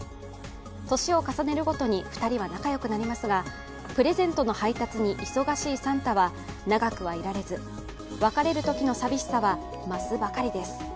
年を重ねるごとに２人は仲よくなりますがプレゼントの配達に忙しいサンタは長くはいられず別れるときの寂しさは増すばかりです。